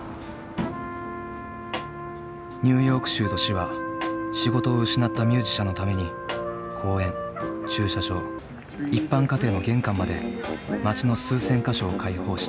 ニューヨーク州と市は仕事を失ったミュージシャンのために公園駐車場一般家庭の玄関まで街の数千か所を開放した。